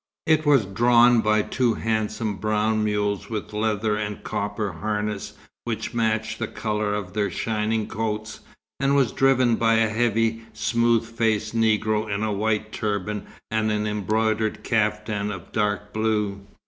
It was drawn by two handsome brown mules with leather and copper harness which matched the colour of their shining coats, and was driven by a heavy, smooth faced Negro in a white turban and an embroidered cafetan of dark blue.